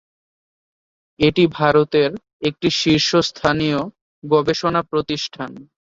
এটি ভারতের একটি শীর্ষস্থানীয় গবেষণা প্রতিষ্ঠান।